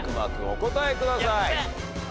お答えください。